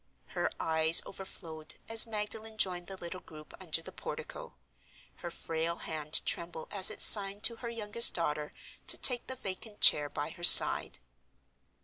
Her eyes overflowed as Magdalen joined the little group under the portico; her frail hand trembled as it signed to her youngest daughter to take the vacant chair by her side.